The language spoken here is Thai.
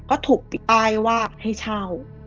ก็ถูกอ้ายว่าให้เช่า